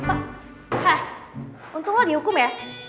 hah untung lo dihukum ya